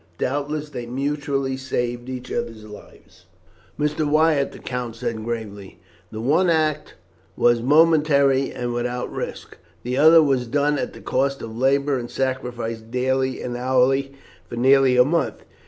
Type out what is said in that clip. Doubtless, they mutually saved each other's lives." "Mr. Wyatt," the count said gravely, "the one act was momentary and without risk. The other was done at the cost of labour and sacrifice daily and hourly for nearly a month.